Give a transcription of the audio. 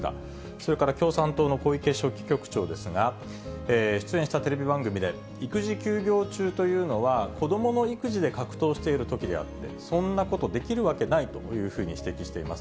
それから共産党の小池書記局長ですが、出演したテレビ番組で、育児休業中というのは、子どもの育児で格闘しているときであって、そんなことできるわけないというふうに指摘しています。